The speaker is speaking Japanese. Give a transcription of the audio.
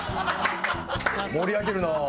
盛り上げるなあ！